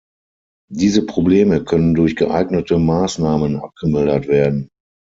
Diese Probleme können durch geeignete Maßnahmen abgemildert werden.